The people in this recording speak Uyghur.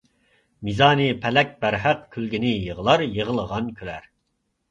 مىزانى پەلەك بەرھەق، كۈلگىنى يىغلار، يىغلىغان كۈلەر.